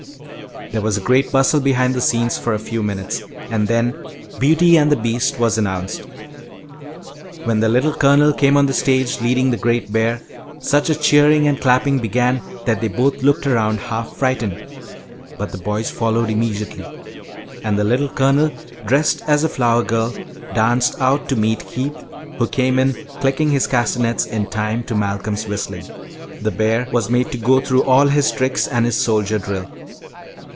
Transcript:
There was a great bustle behind the scenes for a few minutes, and then "Beauty and the Beast" was announced. When the Little Colonel came on the stage leading the great bear, such a cheering and clapping began that they both looked around, half frightened; but the boys followed immediately and the Little Colonel, dressed as a flower girl, danced out to meet Keith, who came in clicking his castanets in time to Malcolm's whistling. The bear was made to go through all his tricks and his soldier drill.